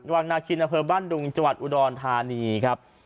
วังนาคิณภพบ้านดุงจวัตรอุดรธานีครับ